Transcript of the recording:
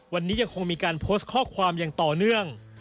วันนี้ยังคงมีการโพสต์ข้อความอย่างต่อเนื่อง